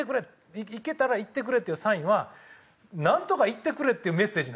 いけたらいってくれっていうサインはなんとかいってくれっていうメッセージなんですよ。